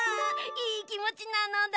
いいきもちなのだ！